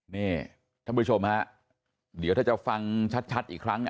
นี่ท่านผู้ชมฮะเดี๋ยวถ้าจะฟังชัดอีกครั้ง